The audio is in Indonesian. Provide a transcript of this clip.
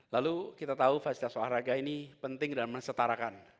lalu kita tahu fasilitas warga ini penting dan menetarakan